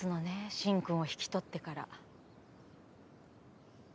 進くんを引き取ってから。